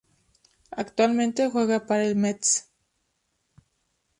Actualmente juega para el Metz.